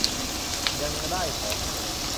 ยังได้ขอให้